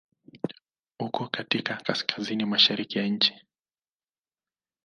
Uko katika Kaskazini mashariki ya nchi.